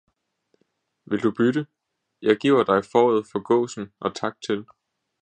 vil du bytte? Jeg giver dig fåret for gåsen og tak til!